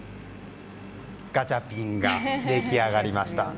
ガチャピンが出来上がりました。